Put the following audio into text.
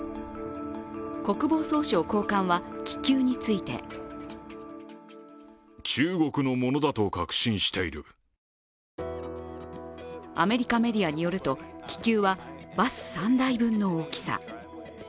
国防総省高官は気球についてアメリカメディアによると、気球はバス３台分の大きさ。